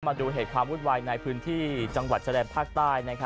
มาดูเหตุความวุ่นวายในพื้นที่จังหวัดชะแดนภาคใต้